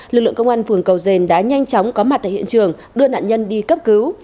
lực lượng công an phường cầu dền đã nhanh chóng có mặt tại hiện trường đưa nạn nhân đi cấp cứu